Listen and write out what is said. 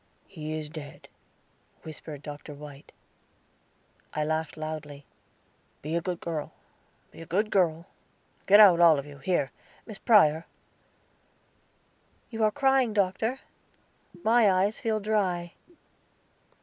"He is dead," whispered Dr. White. I laughed loudly. "Be a good girl be a good girl. Get out, all of you. Here, Miss Prior." "You are crying, Doctor; my eyes feel dry."